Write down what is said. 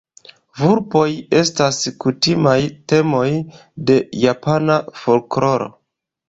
Vulpoj estas kutimaj temoj de japana folkloro.